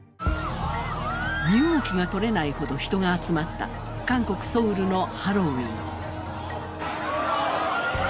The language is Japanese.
身動きがとれないほど人が集まった韓国ソウルのハロウィーン。